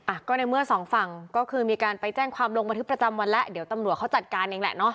อ่ะก็ในเมื่อสองฝั่งก็คือมีการไปแจ้งความลงบันทึกประจำวันแล้วเดี๋ยวตำรวจเขาจัดการเองแหละเนอะ